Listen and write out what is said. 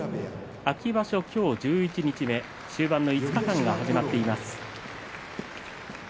秋場所、今日、十一日目終盤の５日間が始まっています。